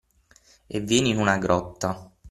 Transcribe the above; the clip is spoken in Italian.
E vieni in una grotta.